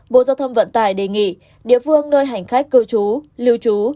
bộ giao thông vận tải đề nghị địa phương nơi hành khách cư trú lưu trú